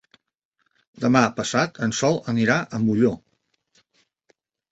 Demà passat en Sol anirà a Molló.